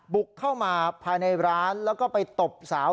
บุกเข้ามาภายในร้านแล้วก็ไปตบสาว